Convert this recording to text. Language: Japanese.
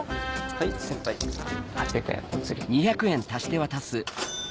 はい先輩８００円のお釣り。